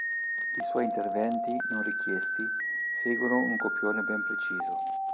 I suoi interventi, non richiesti, seguono un copione ben preciso.